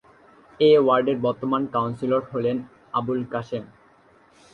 এ ওয়ার্ডের বর্তমান কাউন্সিলর হলেন আবুল কাশেম।